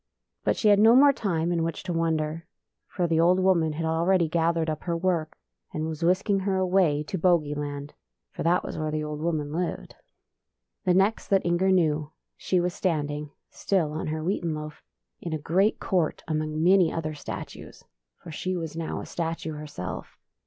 But she had no more time in which to won der, for the old woman had already gathered up her work, and was whisking her away to [ 26 ] INGER*S LOAF Bogey land — foi that was where the old woman lived. The next that Inger knew, she was stand ing — still on her wheaten loaf — in a great court among many other statues; for she was now a statue herself.